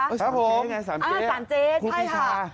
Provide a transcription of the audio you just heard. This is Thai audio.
ครับผมสามเจครูปรีชา